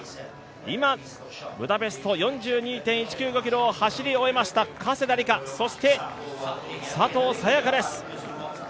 今、ブダペスト４２．１９５ｋｍを走り終えました加世田梨花、そして佐藤早也伽です。